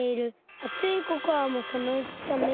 あついココアもそのうちさめる。